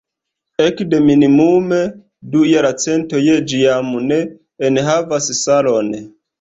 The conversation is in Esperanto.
Ekde minimume du jarcentoj ĝi jam ne enhavas salon.